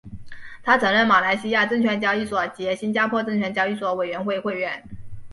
他曾任马来西亚证券交易所及新加坡证券交易所委员会会员。